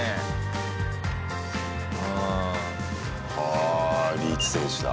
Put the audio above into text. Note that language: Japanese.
ああリーチ選手だ。